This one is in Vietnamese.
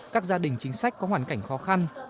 các gia đình chính sách có hoàn cảnh khó khăn